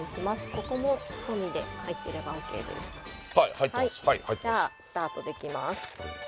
ここも込みで入ってればＯＫですじゃスタートできます